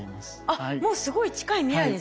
あっもうすごい近い未来ですね。